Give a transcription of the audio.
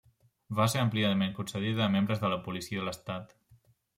Va ser àmpliament concedida a membres de la policia de l'estat.